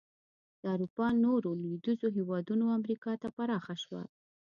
د اروپا نورو لوېدیځو هېوادونو او امریکا ته پراخه شوه.